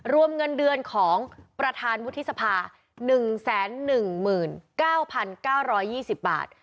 รวมเงินเดือนของประธานวุฒิษภาหนึ่งแสนหนึ่งหมื่นเก้าพันเก้าร้อยยี่สิบบาท